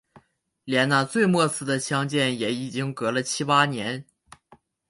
连那最末次的相见也已经隔了七八年